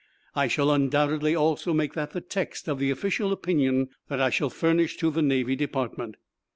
I shall undoubtedly also make that the text of the official opinion that I shall furnish to the Navy Department.